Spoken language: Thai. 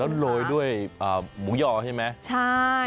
แล้วโรยด้วยหมูย่อใช่ไหมใช่